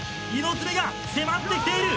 猪爪が迫ってきている。